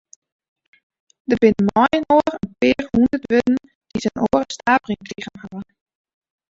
Der binne mei-inoar in pear hûndert wurden dy't in oare stavering krigen hawwe.